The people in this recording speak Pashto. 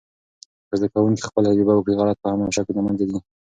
که زده کوونکي خپله تجربه وکړي، غلط فهم او شک د منځه ځي.